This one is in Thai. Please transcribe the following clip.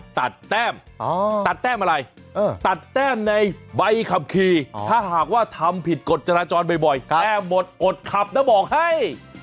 ตัดแต้มในใบขับขี่ถ้าหากว่าทำผิดกฎจราจรบ่อยแต้มหมดอดขับแล้วบอกให้